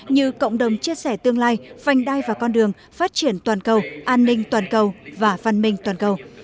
như cộng đồng chia sẻ tương lai phanh đai và con đường phát triển toàn cầu an ninh toàn cầu và phân minh toàn cầu